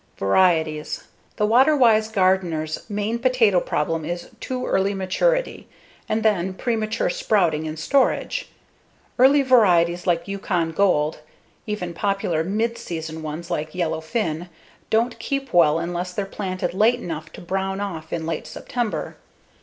Varieties: The water wise gardener's main potato problem is too early maturity, and then premature sprouting in storage. Early varieties like Yukon Gold even popular midseason ones like Yellow Finn don't keep well unless they're planted late enough to brown off in late September.